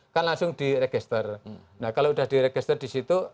kan langsung dikirim ke tim pemeriksaan pendahuluan kalau sudah memenuhi syarat ada data dukung